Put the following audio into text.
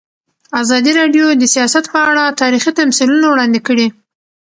ازادي راډیو د سیاست په اړه تاریخي تمثیلونه وړاندې کړي.